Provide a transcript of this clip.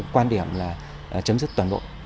quan điểm là chấm dứt toàn bộ